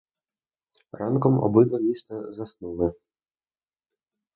Ранком обидва міцно заснули.